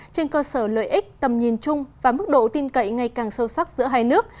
trên cơ sở lợi ích tầm nhìn chung và mức độ tin cậy ngày càng sâu sắc giữa hai nước